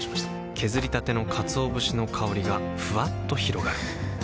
削りたてのかつお節の香りがふわっと広がるはぁ。